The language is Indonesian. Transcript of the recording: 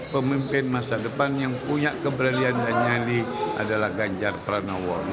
pemimpin masa depan yang punya keberanian dan nyali adalah ganjar pranowo